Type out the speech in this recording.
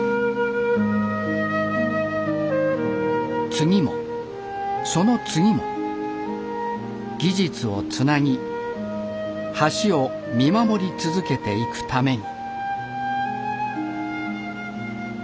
次もその次も技術をつなぎ橋を見守り続けていくために。